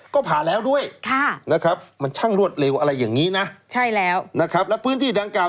ก็ผ่าแล้วด้วยนะครับมันช่างรวดเร็วอะไรอย่างนี้นะใช่แล้วนะครับแล้วพื้นที่ดังกล่า